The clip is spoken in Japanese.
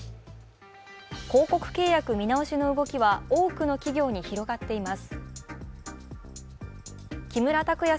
広告契約見直しの動きは多くの企業に広がっています。